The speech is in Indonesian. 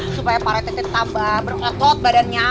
supaya paretete tambah berotot badannya